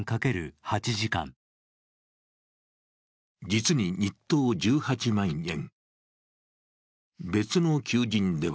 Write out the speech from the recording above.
実に、日当１８万円。